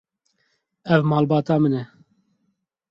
Ev malbata min e.